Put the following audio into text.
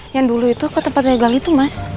yang dulu itu ke tempatnya gal itu mas